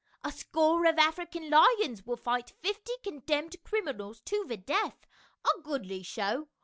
"A score of African lions will fight fifty condemned criminals to the death, a goodly show.